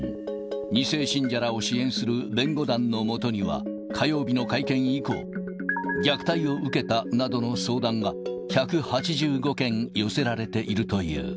２世信者らを支援する弁護団のもとには、火曜日の会見以降、虐待を受けたなどの相談が、１８５件寄せられているという。